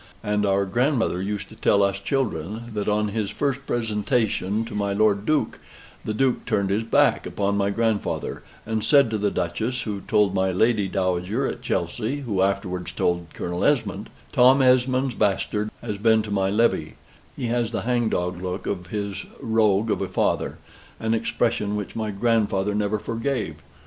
And our Grandmother used to tell us children, that on his first presentation to my Lord duke, the Duke turned his back upon my Grandfather; and said to the Duchess, who told my lady dowager at Chelsey, who afterwards told Colonel Esmond "Tom Esmond's bastard has been to my levee: he has the hang dog look of his rogue of a father" an expression which my Grandfather never forgave.